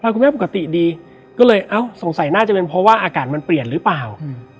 คุณแม่ปกติดีก็เลยเอ้าสงสัยน่าจะเป็นเพราะว่าอากาศมันเปลี่ยนหรือเปล่า